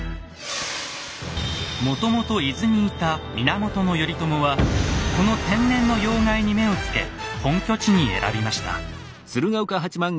もともと伊豆にいた源頼朝はこの天然の要害に目を付け本拠地に選びました。